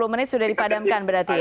sepuluh menit sudah dipadamkan berarti ya